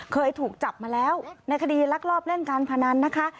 เคยถูกจับมาแล้วในคดีลักลอบเล่นการพนันนะคะ